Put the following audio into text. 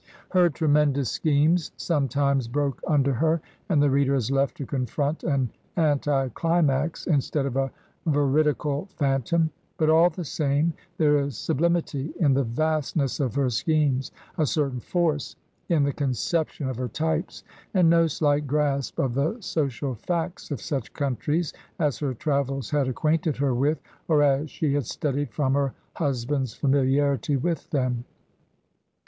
Her tremendous schemes sometimes broke under her, and the reader is left to confront an anticlimax, instead of a veridical phantom; but all the same there is sub Hmity in the vastness of her schemes; a certain force in the conception of her types, and no slight grasp of the social facts of such countries as her travels had ac quainted her with, or as she had studied from her hus band's famiUarity with them.